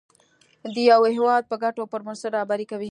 د یو هېواد د ګټو پر بنسټ رهبري کوي.